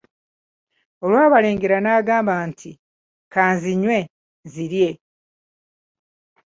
Olwabalengera n'agamba nti:"kanzinywe nzirye"